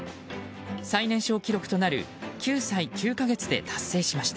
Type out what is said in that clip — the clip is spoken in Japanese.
最年少記録となる９歳９か月で達成しました。